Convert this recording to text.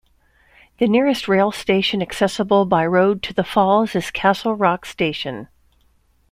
The nearest rail station accessible by road to the falls is Castle Rock station.